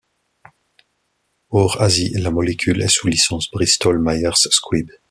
Hors Asie, la molécule est sous licence Bristol-Myers Squibb.